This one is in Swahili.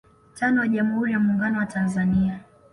tano wa Jamhuri ya Muungano wa Tanzania